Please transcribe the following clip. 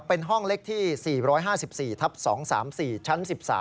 เป็นห้องเล็กที่๔๕๔ทับ๒๓๔ชั้น๑๓